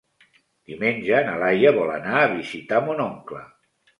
Diumenge na Laia vol anar a visitar mon oncle.